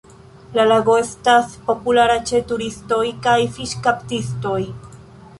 La lago estas populara ĉe turistoj kaj fiŝkaptistoj.